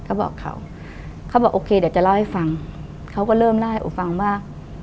เขาบอกเขาเขาบอกโอเคเดี๋ยวจะเล่าให้ฟังเขาก็เริ่มเล่าให้กูฟังว่า